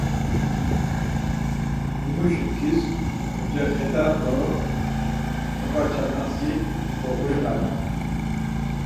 Himuşi tis kocexeda do noǩaça na si goğurinare.